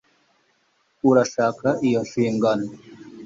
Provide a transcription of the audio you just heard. urashaka iyo nshingano